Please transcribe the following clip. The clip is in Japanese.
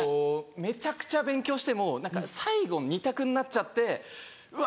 めちゃくちゃ勉強しても最後２択になっちゃってうわ